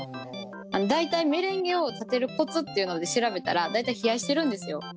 大体メレンゲを立てるコツっていうので調べたら大体冷やしてるんですよ。